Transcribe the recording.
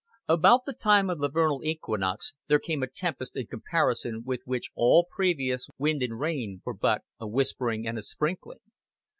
About the time of the vernal equinox there came a tempest in comparison with which all previous wind and rain were but a whispering and a sprinkling.